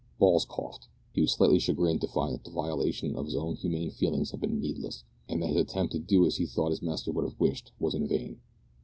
Balls coughed. He was slightly chagrined to find that the violation of his own humane feelings had been needless, and that his attempt to do as he thought his master would have wished was in vain.